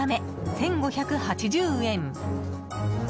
１５８０円。